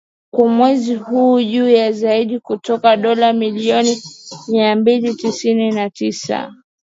kwa mwezi huu juu zaidi kutoka dola milioni mia mbili tisini na tisa